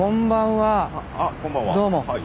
はい。